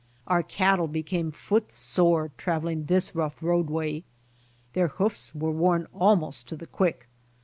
Our cattle became foot sore traveling this rough roadway. Their hoofs were worn almost to the quick.